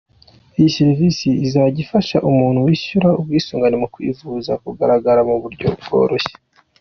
Iyi serivisi izajya afasha umuntu wishyuye ubwisungane mu kwivuza kugararagara mu buryo bworoshye.